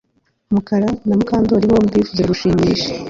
Mukara na Mukandoli bombi bifuzaga gushimisha